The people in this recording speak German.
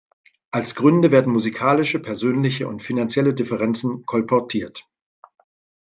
Als Gründe werden musikalische, persönliche und finanzielle Differenzen kolportiert.